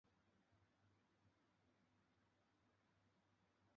其中李双泽是影响胡德夫最深的朋友。